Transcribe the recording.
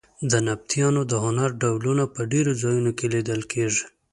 د نبطیانو د هنر ډولونه په ډېرو ځایونو کې لیدل کېږي.